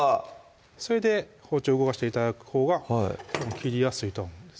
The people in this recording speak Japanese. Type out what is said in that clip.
それで包丁を動かして頂くほうが切りやすいとは思うんです